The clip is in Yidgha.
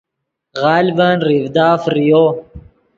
غلڤن ریڤدا فریو